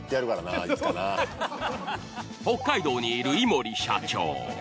北海道にいるいもり社長。